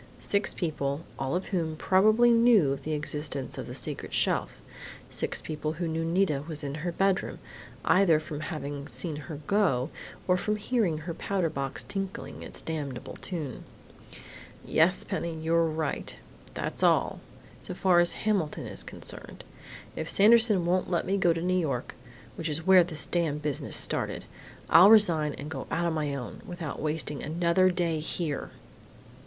Six people, all of whom probably knew of the existence of the secret shelf.... Six people who knew Nita was in her bedroom, either from having seen her go or from hearing her powder box tinkling its damnable tune!... Yes, Penny! You're right! That's all so far as Hamilton is concerned! If Sanderson won't let me go to New York which is where this damned business started I'll resign and go on my own, without wasting another day here!"